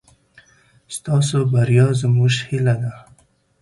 ستاسو بريا زموږ هيله ده.